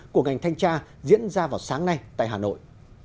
của ngành thanh tra diễn ra vào sáng nay tại hà nội